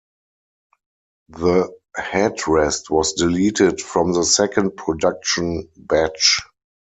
The headrest was deleted from the second production batch.